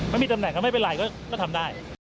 ไม่มีตำแหนก็ไม่เป็นไรก็ทำได้